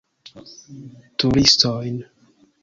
Turistojn.